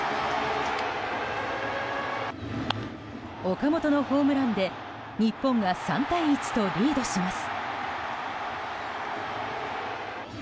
岡本のホームランで日本が３対１とリードします。